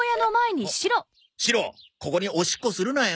シロここにおしっこするなよ。